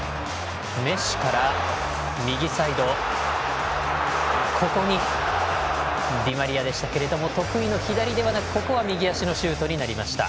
メッシから右サイドここにディマリアでしたが得意の左ではなく右足のシュートになりました。